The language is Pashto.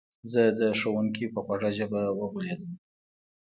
زه د ښوونکي په خوږه ژبه وغولېدم.